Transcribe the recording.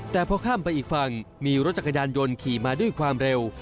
แต่พอข้ามไปอีกฝั่งมีรถจักรยานยนต์ขี่มาด้วยความเร็ว